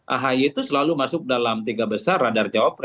ahy itu selalu masuk dalam tiga besar radar cawapres